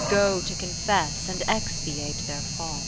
Go to confess and expiate their fault.